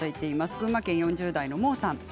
群馬県４０代の方です。